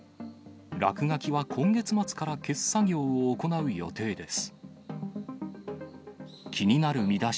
落書きは今月末から消す作業を行う予定です。